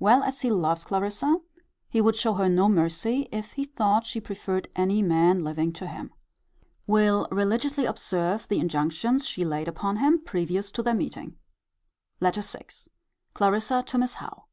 Well as he loves Clarissa, he would show her no mercy, if he thought she preferred any man living to him. Will religiously observe the INJUNCTIONS she laid upon him previous to their meeting. LETTER VI. Clarissa to Miss Howe.